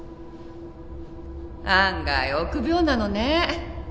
案外臆病なのね。